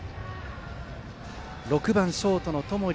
６番ショートの友利。